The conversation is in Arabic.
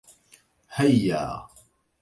هيا